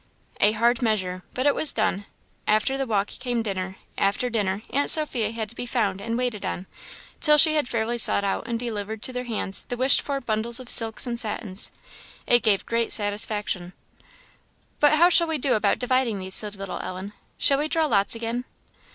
A hard measure! but it was done. After the walk came dinner; after dinner, Aunt Sophia had to be found and waited on, till she had fairly sought out and delivered to their hands the wished for bundles of silks and satins. It gave great satisfaction. "But how shall we do about dividing these?" said little Ellen "shall we draw lots again?"